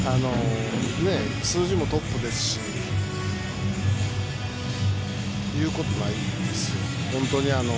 数字もトップですし言うことないですよ、本当に。